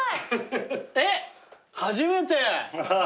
えっ初めて。